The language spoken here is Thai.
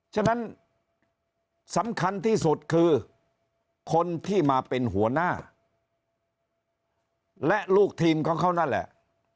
ฉะนั้นสำคัญที่สุดคือคนที่มาเป็นหัวหน้าและลูกทีมของเขานั่นแหละ